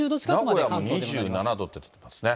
名古屋も２７度となってますね。